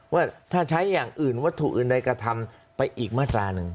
ว่าถ้าใช้อย่างอื่นวัตถุอื่นใดกระทำไปอีกมาตราหนึ่ง